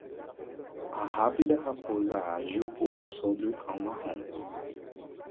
A rápida raposa ágil pula sobre o cão marrom